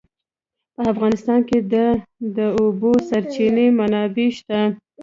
په افغانستان کې د د اوبو سرچینې منابع شته.